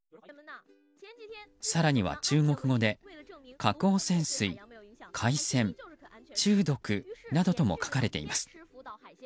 更には中国語で「核汚染水」「海鮮」、「中毒」などとも書かれています。